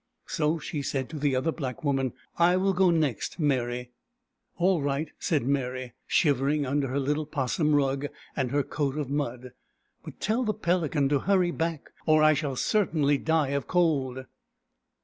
So she said to the other black woman, " I will go next, Meri." " All right," said Meri, shivering under her little 'possum rug and her coat of mud. " But tell the Pelican to hurry back, or I shall certainly die of cold."